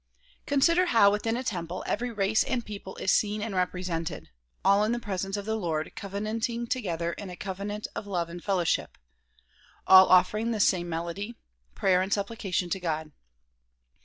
Consider how within a temple every race and people is seen and represented ; all in the presence of the Lord, covenanting together in a coven ant of love and fellowship; all offering the same melody, prayer and supplication to God.